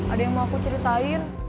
ada yang mau aku ceritain